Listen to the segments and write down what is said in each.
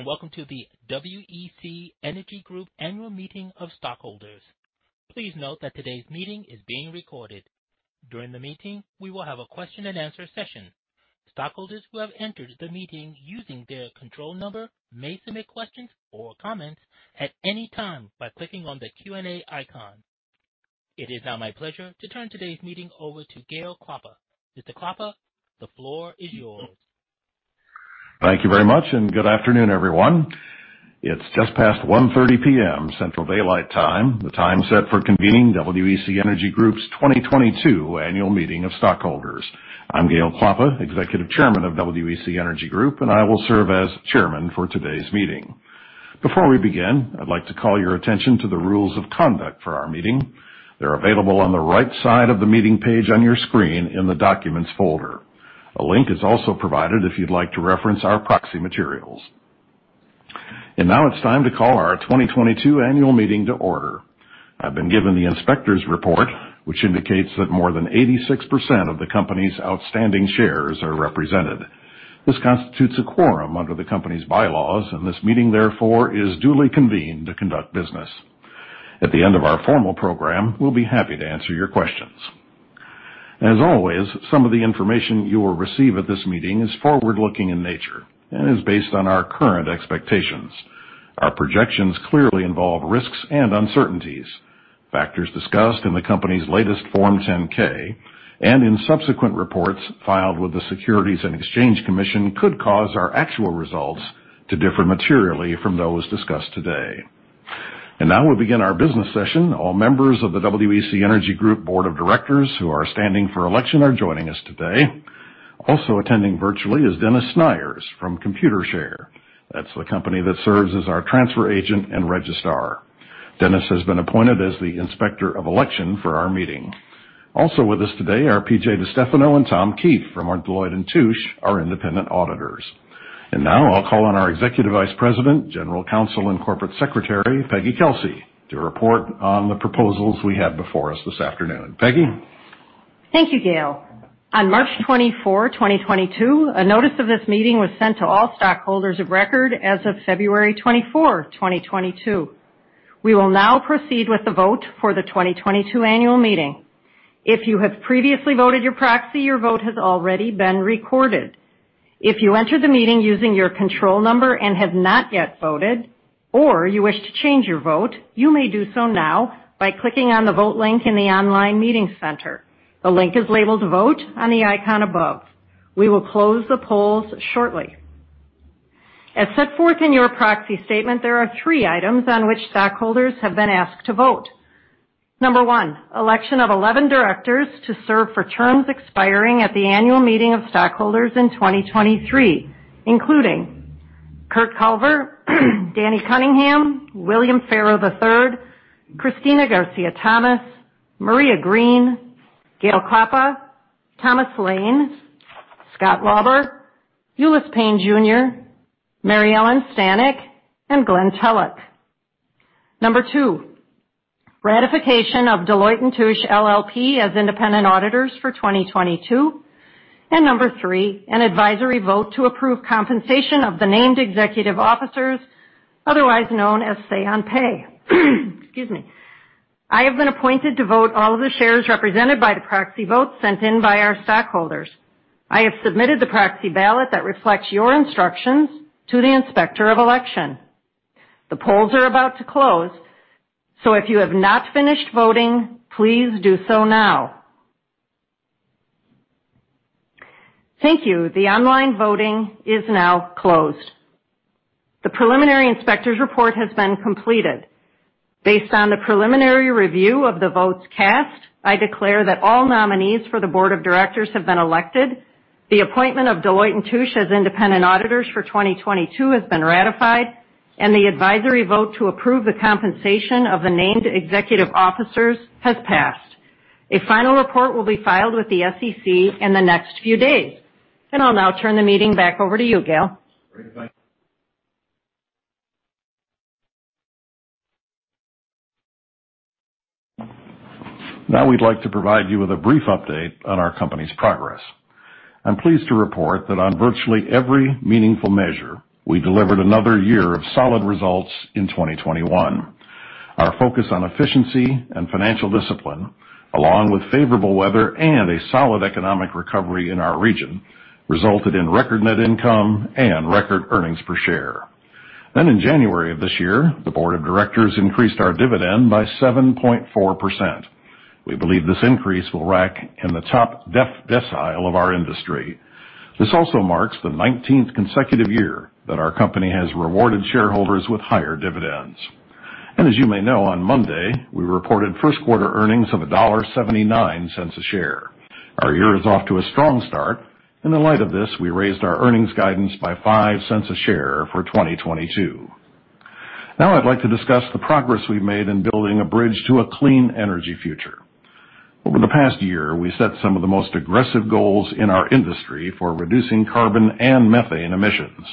Hello, and welcome to the WEC Energy Group annual meeting of stockholders. Please note that today's meeting is being recorded. During the meeting, we will have a question and answer session. Stockholders who have entered the meeting using their control number may submit questions or comments at any time by clicking on the Q&A icon. It is now my pleasure to turn today's meeting over to Gale Klappa. Mr. Klappa, the floor is yours. Thank you very much, and good afternoon, everyone. It's just past 1:30P.M. Central Daylight Time, the time set for convening WEC Energy Group's 2022 annual meeting of stockholders. I'm Gale Klappa, Executive Chairman of WEC Energy Group, and I will serve as chairman for today's meeting. Before we begin, I'd like to call your attention to the rules of conduct for our meeting. They're available on the right side of the meeting page on your screen in the Documents folder. A link is also provided if you'd like to reference our proxy materials. Now it's time to call our 2022 annual meeting to order. I've been given the inspector's report, which indicates that more than 86% of the company's outstanding shares are represented. This constitutes a quorum under the company's bylaws, and this meeting, therefore, is duly convened to conduct business. At the end of our formal program, we'll be happy to answer your questions. As always, some of the information you will receive at this meeting is forward-looking in nature and is based on our current expectations. Our projections clearly involve risks and uncertainties. Factors discussed in the company's latest Form 10-K and in subsequent reports filed with the Securities and Exchange Commission could cause our actual results to differ materially from those discussed today. Now we'll begin our business session. All members of the WEC Energy Group board of directors who are standing for election are joining us today. Also attending virtually is Dennis Snyders from Computershare. That's the company that serves as our transfer agent and registrar. Dennis has been appointed as the Inspector of Election for our meeting. Also with us today are P.J. DiStefano and Tom Keefe from our Deloitte & Touche, our Independent Auditors. Now I'll call on our Executive Vice President, General Counsel and Corporate Secretary, Peggy Kelsey, to report on the proposals we have before us this afternoon. Peggy? Thank you, Gale. On March 24, 2022, a notice of this meeting was sent to all stockholders of record as of February 24, 2022. We will now proceed with the vote for the 2022 annual meeting. If you have previously voted your proxy, your vote has already been recorded. If you entered the meeting using your control number and have not yet voted, or you wish to change your vote, you may do so now by clicking on the Vote link in the online meeting center. The link is labeled Vote on the icon above. We will close the polls shortly. As set forth in your proxy statement, there are three items on which stockholders have been asked to vote. Number one, election of 11 directors to serve for terms expiring at the annual meeting of stockholders in 2023, including Curt Culver, Danny Cunningham, William Farrow III, Cristina Garcia-Thomas, Maria Green, Gale Klappa, Thomas Lane, Scott Lauber, Ulice Payne Jr., Mary Ellen Stanek, and Glen Tellock. Number two, ratification of Deloitte & Touche LLP as Independent Auditors for 2022. Number three, an advisory vote to approve compensation of the named executive officers otherwise known as say-on-pay. Excuse me. I have been appointed to vote all of the shares represented by the proxy votes sent in by our stockholders. I have submitted the proxy ballot that reflects your instructions to the Inspector of Election. The polls are about to close, so if you have not finished voting, please do so now. Thank you. The online voting is now closed. The preliminary inspector's report has been completed. Based on the preliminary review of the votes cast, I declare that all nominees for the board of directors have been elected, the appointment of Deloitte & Touche as independent auditors for 2022 has been ratified, and the advisory vote to approve the compensation of the named executive officers has passed. A final report will be filed with the SEC in the next few days. I'll now turn the meeting back over to you, Gale. Now we'd like to provide you with a brief update on our company's progress. I'm pleased to report that on virtually every meaningful measure, we delivered another year of solid results in 2021. Our focus on efficiency and financial discipline, along with favorable weather and a solid economic recovery in our region, resulted in record net income and record earnings per share. In January of this year, the board of directors increased our dividend by 7.4%. We believe this increase will rank in the top decile of our industry. This also marks the 19th consecutive year that our company has rewarded shareholders with higher dividends. As you may know, on Monday, we reported first quarter earnings of $1.79 a share. Our year is off to a strong start. In light of this, we raised our earnings guidance by $0.05 per share for 2022. Now I'd like to discuss the progress we've made in building a bridge to a clean energy future. Over the past year, we set some of the most aggressive goals in our industry for reducing carbon and methane emissions.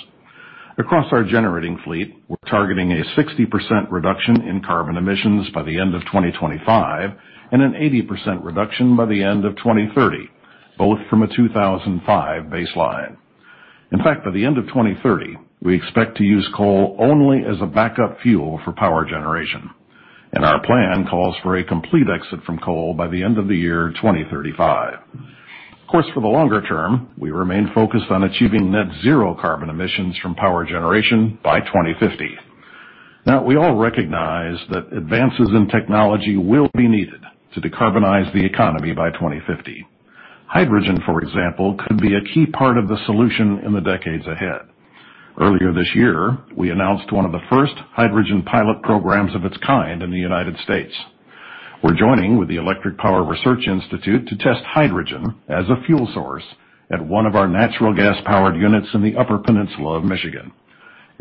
Across our generating fleet, we're targeting a 60% reduction in carbon emissions by the end of 2025 and an 80% reduction by the end of 2030. Both from a 2005 baseline. In fact, by the end of 2030, we expect to use coal only as a backup fuel for power generation. Our plan calls for a complete exit from coal by the end of the year 2035. Of course, for the longer term, we remain focused on achieving net zero carbon emissions from power generation by 2050. Now, we all recognize that advances in technology will be needed to decarbonize the economy by 2050. Hydrogen, for example, could be a key part of the solution in the decades ahead. Earlier this year, we announced one of the first hydrogen pilot programs of its kind in the United States. We're joining with the Electric Power Research Institute to test hydrogen as a fuel source at one of our natural gas-powered units in the Upper Peninsula of Michigan.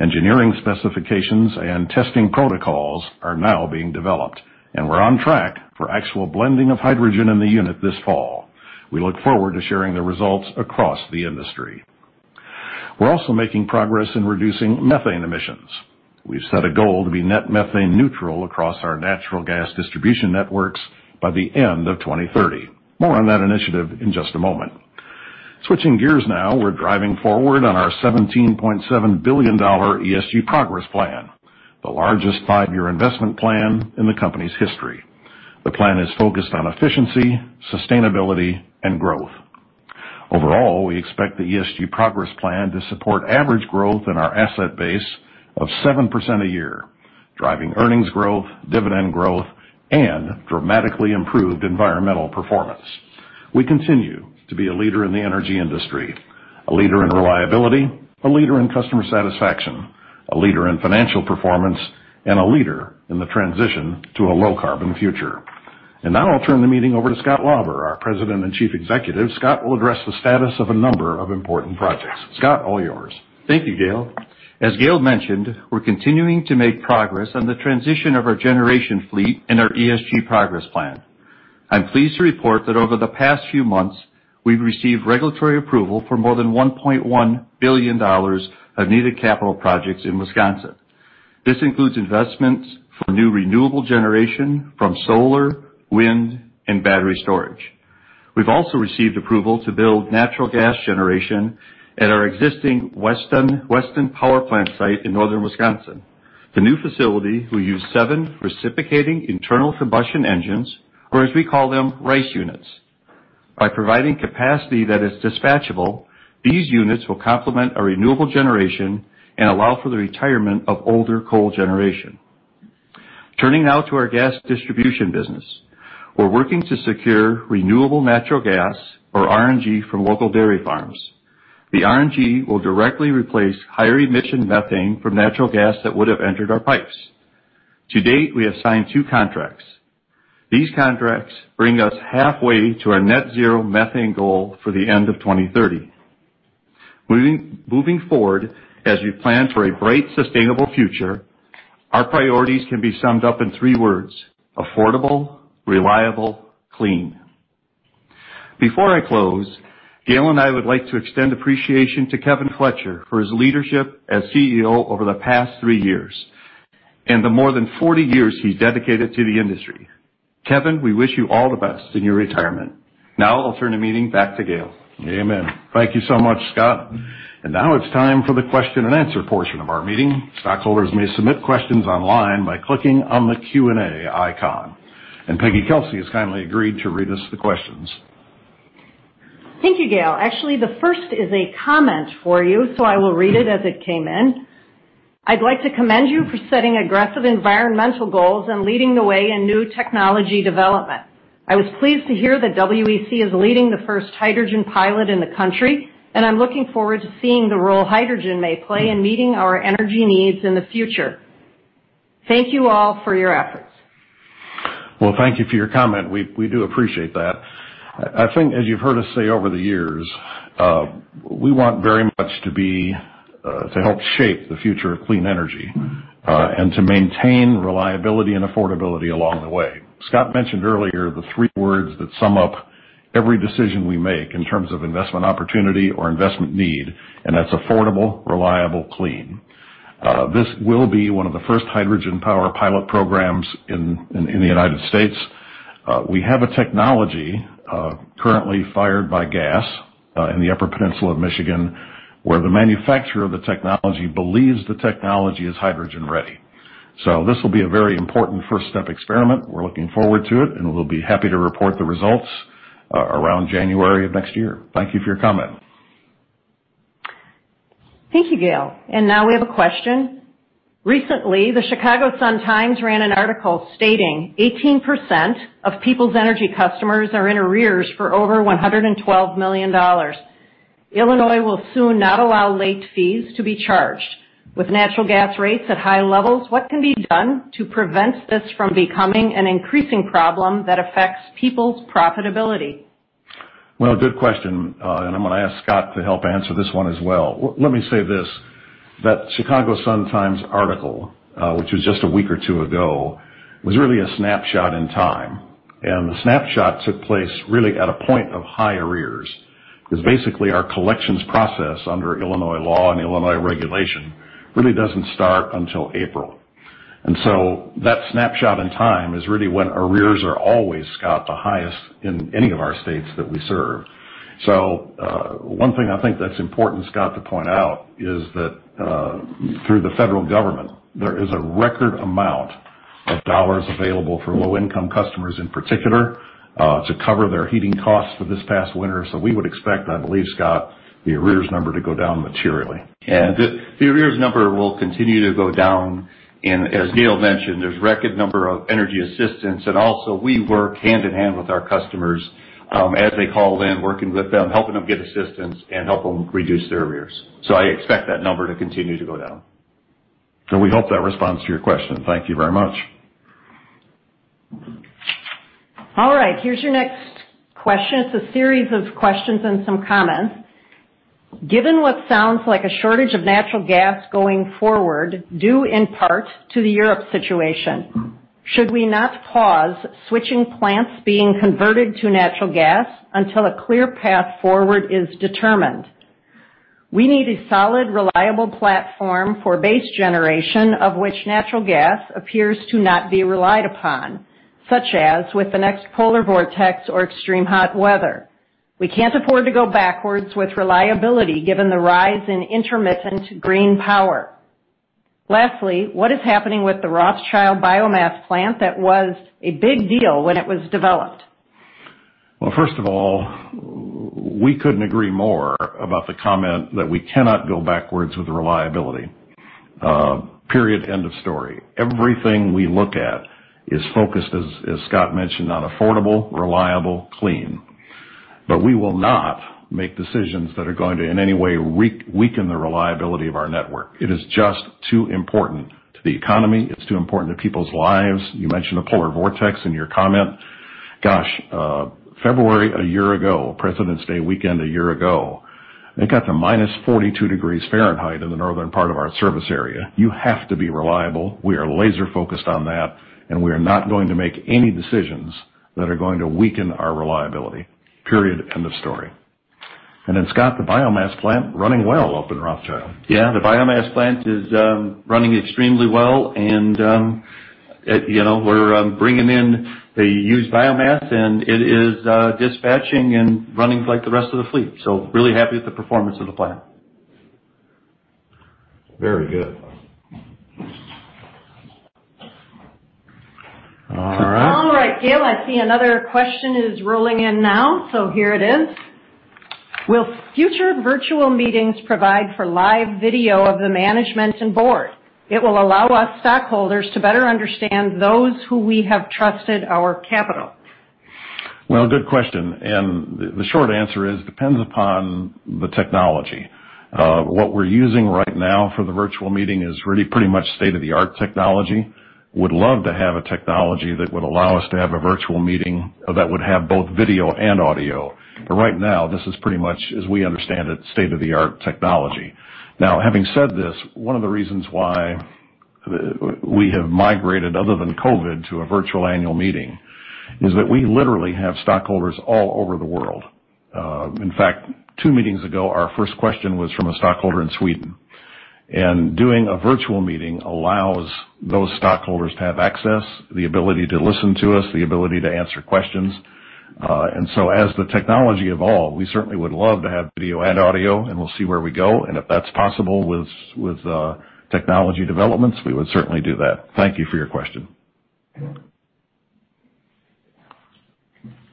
Engineering specifications and testing protocols are now being developed, and we're on track for actual blending of hydrogen in the unit this fall. We look forward to sharing the results across the industry. We're also making progress in reducing methane emissions. We've set a goal to be net methane neutral across our natural gas distribution networks by the end of 2030. More on that initiative in just a moment. Switching gears now. We're driving forward on our $17.7 billion ESG Progress Plan, the largest five-year investment plan in the company's history. The plan is focused on efficiency, sustainability, and growth. Overall, we expect the ESG Progress Plan to support average growth in our asset base of 7% a year, driving earnings growth, dividend growth, and dramatically improved environmental performance. We continue to be a leader in the energy industry, a leader in reliability, a leader in customer satisfaction, a leader in financial performance, and a leader in the transition to a low-carbon future. Now I'll turn the meeting over to Scott Lauber, our President and Chief Executive. Scott will address the status of a number of important projects. Scott, all yours. Thank you, Gale. As Gale mentioned, we're continuing to make progress on the transition of our generation fleet and our ESG Progress Plan. I'm pleased to report that over the past few months, we've received regulatory approval for more than $1.1 billion of needed capital projects in Wisconsin. This includes investments for new renewable generation from solar, wind, and battery storage. We've also received approval to build natural gas generation at our existing Weston power plant site in northern Wisconsin. The new facility will use seven reciprocating internal combustion engines, or as we call them, RICE units. By providing capacity that is dispatchable, these units will complement a renewable generation and allow for the retirement of older coal generation. Turning now to our gas distribution business. We're working to secure renewable natural gas, or RNG, from local dairy farms. The RNG will directly replace higher emission methane from natural gas that would have entered our pipes. To date, we have signed two contracts. These contracts bring us halfway to our net zero methane goal for the end of 2030. Moving forward as we plan for a bright, sustainable future, our priorities can be summed up in three words, affordable, reliable, clean. Before I close, Gale and I would like to extend appreciation to Kevin Fletcher for his leadership as CEO over the past three years and the more than 40 years he dedicated to the industry. Kevin, we wish you all the best in your retirement. Now I'll turn the meeting back to Gale. Amen. Thank you so much, Scott. Now it's time for the question and answer portion of our meeting. Stockholders may submit questions online by clicking on the Q&A icon, and Margaret Kelsey has kindly agreed to read us the questions. Thank you, Gale. Actually, the first is a comment for you, so I will read it as it came in. I'd like to commend you for setting aggressive environmental goals and leading the way in new technology development. I was pleased to hear that WEC is leading the first hydrogen pilot in the country, and I'm looking forward to seeing the role hydrogen may play in meeting our energy needs in the future. Thank you all for your efforts. Well, thank you for your comment. We do appreciate that. I think, as you've heard us say over the years, we want very much to help shape the future of clean energy, and to maintain reliability and affordability along the way. Scott mentioned earlier the three words that sum up every decision we make in terms of investment opportunity or investment need, and that's affordable, reliable, clean. This will be one of the first hydrogen power pilot programs in the United States. We have a technology currently fired by gas in the Upper Peninsula of Michigan, where the manufacturer of the technology believes the technology is hydrogen ready. This will be a very important first step experiment. We're looking forward to it, and we'll be happy to report the results around January of next year. Thank you for your comment. Thank you, Gale. Now we have a question. Recently, the Chicago Sun-Times ran an article stating 18% of Peoples Gas customers are in arrears for over $112 million. Illinois will soon not allow late fees to be charged. With natural gas rates at high levels, what can be done to prevent this from becoming an increasing problem that affects people's profitability? Well, good question. I'm gonna ask Scott to help answer this one as well. Let me say this, that Chicago Sun-Times article, which was just a week or two ago, was really a snapshot in time, and the snapshot took place really at a point of high arrears. 'Cause basically our collections process under Illinois law and Illinois regulation really doesn't start until April. That snapshot in time is really when arrears are always, Scott, the highest in any of our states that we serve. One thing I think that's important, Scott, to point out is that through the federal government, there is a record amount of dollars available for low-income customers, in particular, to cover their heating costs for this past winter. We would expect, I believe, Scott, the arrears number to go down materially. Yeah. The arrears number will continue to go down. As Gale mentioned, there's record number of energy assistance, and also we work hand in hand with our customers, as they call in, working with them, helping them get assistance and help them reduce their arrears. I expect that number to continue to go down. We hope that responds to your question. Thank you very much. All right, here's your next question. It's a series of questions and some comments. Given what sounds like a shortage of natural gas going forward, due in part to the Europe situation, should we not pause switching plants being converted to natural gas until a clear path forward is determined? We need a solid, reliable platform for base generation of which natural gas appears to not be relied upon, such as with the next polar vortex or extreme hot weather. We can't afford to go backwards with reliability given the rise in intermittent green power. Lastly, what is happening with the Rothschild Biomass plant that was a big deal when it was developed? Well, first of all, we couldn't agree more about the comment that we cannot go backwards with reliability. Period. End of story. Everything we look at is focused, as Scott mentioned, on affordable, reliable, clean. But we will not make decisions that are going to in any way weaken the reliability of our network. It is just too important to the economy. It's too important to people's lives. You mentioned the polar vortex in your comment. Gosh, February a year ago, President's Day weekend a year ago, it got to -42 degrees Fahrenheit in the northern part of our service area. You have to be reliable. We are laser-focused on that, and we are not going to make any decisions that are going to weaken our reliability. Period. End of story. Then, Scott, the biomass plant running well up in Rothschild. Yeah. The biomass plant is running extremely well. You know, we're bringing in the used biomass, and it is dispatching and running like the rest of the fleet, so really happy with the performance of the plant. Very good. All right. All right, Gale, I see another question is rolling in now, so here it is. Will future virtual meetings provide for live video of the management and board? It will allow us stockholders to better understand those who we have trusted our capital. Well, good question, and the short answer is depends upon the technology. What we're using right now for the virtual meeting is really pretty much state-of-the-art technology. Would love to have a technology that would allow us to have a virtual meeting that would have both video and audio. But right now, this is pretty much, as we understand it, state-of-the-art technology. Now, having said this, one of the reasons why we have migrated, other than COVID, to a virtual annual meeting is that we literally have stockholders all over the world. In fact, two meetings ago, our first question was from a stockholder in Sweden. Doing a virtual meeting allows those stockholders to have access, the ability to listen to us, the ability to answer questions. As the technology evolve, we certainly would love to have video and audio, and we'll see where we go. If that's possible with technology developments, we would certainly do that. Thank you for your question.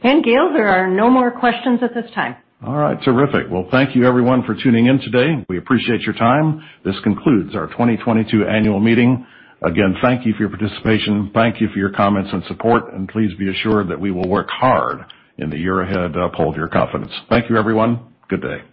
Gale, there are no more questions at this time. All right. Terrific. Well, thank you everyone for tuning in today. We appreciate your time. This concludes our 2022 annual meeting. Again, thank you for your participation, thank you for your comments and support, and please be assured that we will work hard in the year ahead to uphold your confidence. Thank you, everyone. Good day.